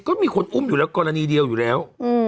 ก็มีคนอุ้มอยู่แล้วกรณีเดียวอยู่แล้ว